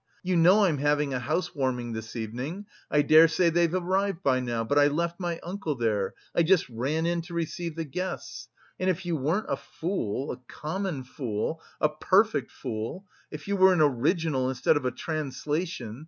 You know I'm having a house warming this evening, I dare say they've arrived by now, but I left my uncle there I just ran in to receive the guests. And if you weren't a fool, a common fool, a perfect fool, if you were an original instead of a translation...